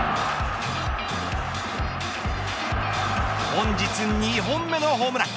本日２本目のホームラン。